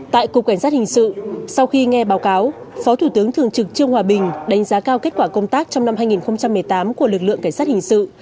tại cục cảnh sát hình sự sau khi nghe báo cáo phó thủ tướng thường trực trương hòa bình đánh giá cao kết quả công tác trong năm hai nghìn một mươi tám của lực lượng cảnh sát hình sự